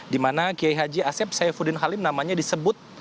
di mana kiai haji asep saifuddin halim namanya disebut